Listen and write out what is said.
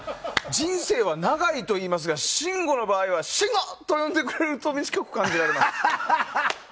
人生は長いといいますが信五の場合は「しんご」と呼んでくれると短く感じられます。